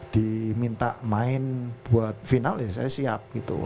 diminta main buat final ya saya siap gitu